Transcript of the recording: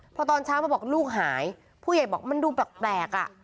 พอตอนเช้ามาบอกลูกหายผู้ใหญ่บอกมันดูแปลกอ่ะ